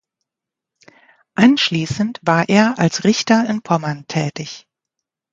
Anschließend war er als Richter in Pommern tätig.